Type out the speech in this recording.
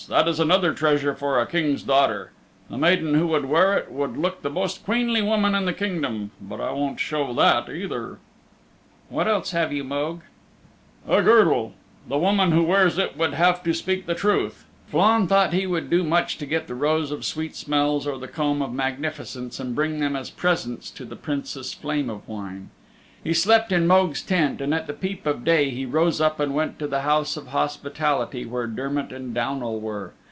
That is another treasure for a King's daughter. The maiden who would wear it would look the most queenly woman in the Kingdom. But I won't show that either." "What else have you, Mogue?" "A girdle. The woman who wears it would have to speak the truth." The Town of Flann thought he would do much to get the Rose of Sweet Smells or the Comb of Magnificence and bring them as presents to the Princess Flame of Wine. He slept in Mogue's tent, and at the peep of day, he rose up and went to the House of Hospitality where Dermott and Downal were.